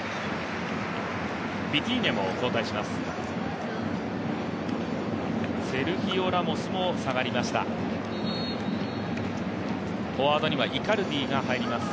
ヴィティーニャも交代します。